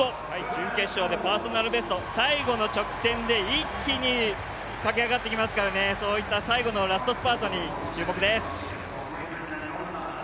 準決勝でパーソナルベスト、最後の直線で一気に駆け上がってきますからね、そういった最後のラストスパートに注目です。